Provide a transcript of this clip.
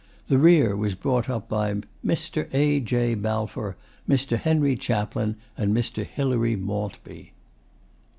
The rear was brought up by 'Mr. A. J. Balfour, Mr. Henry Chaplin, and Mr. Hilary Maltby.